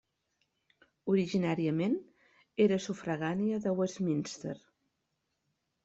Originàriament era sufragània de Westminster.